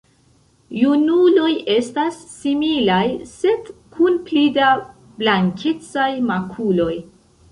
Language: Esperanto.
Junuloj estas similaj sed kun pli da blankecaj makuloj.